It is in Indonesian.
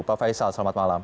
pak faisal selamat malam